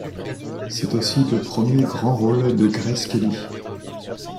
C'est aussi le premier grand rôle de Grace Kelly.